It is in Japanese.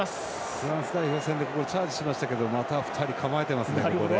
フランス戦でチャージしましたけどまた２人構えてますね。